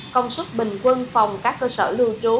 công suất bình quân phòng các cơ sở lưu trú